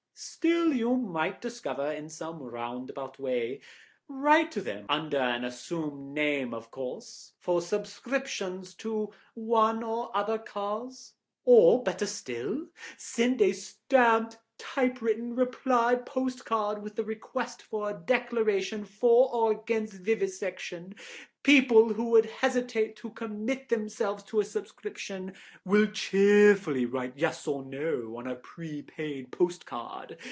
"Still you might discover, in some roundabout way. Write to them, under as assumed name of course, for subscriptions to one or other cause—or, better still, send a stamped type written reply postcard, with a request for a declaration for or against vivisection; people who would hesitate to commit themselves to a subscription will cheerfully write Yes or No on a prepaid postcard.